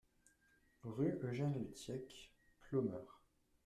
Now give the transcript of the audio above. Rue Eugène Le Thiec, Ploemeur